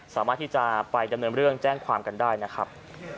สามารถที่จะไปดำเนินเรื่องแจ้งความกันได้นะครับ